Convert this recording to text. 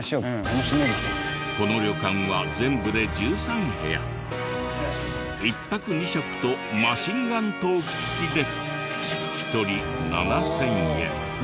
この旅館は１泊２食とマシンガントーク付きで一人７０００円。